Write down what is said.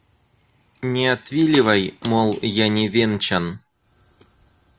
Не отвиливай — мол, я не венчан.